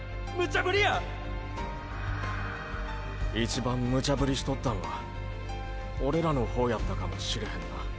一番ムチャぶりしとったんはオレらの方やったかもしれへんな。